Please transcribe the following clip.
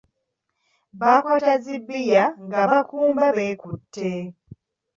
Bakwata zi bbiya nga bakumba beekutte.